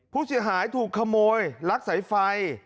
ผู้เสียหายถูกขโมยลักสายไฟ